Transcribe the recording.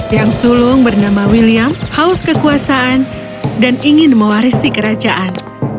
yang sulung bernama william haus kekuasaan dan ingin mewarisi kerajaan